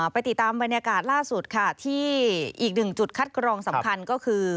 ไปติดตามบรรยากาศล่าสุดค่ะที่อีกหนึ่งจุดคัดกรองสำคัญก็คือ